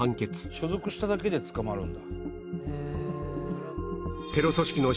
「所属しただけで捕まるんだ」